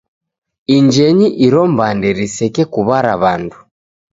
Injenyi iro mbande risekekuw'ara w'andu.